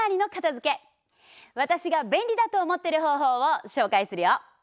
私が便利だと思ってる方法をしょうかいするよ！